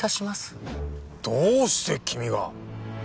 どうして君が！？